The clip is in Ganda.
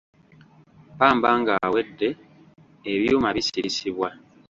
Ppamba ng'awedde, ebyuma bisirisibwa.